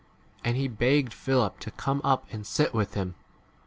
And he begged Philip to come up 32 and sit with him.